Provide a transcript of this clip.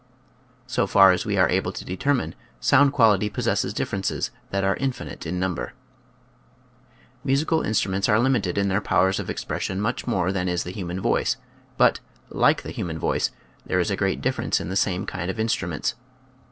So far as we are able to determine, sound quality possesses differences that are infinite in number. Musical instruments are limited in their powers of expression much more than is the human voice, but, like the human voice, there is a great difference in the same kind of in struments.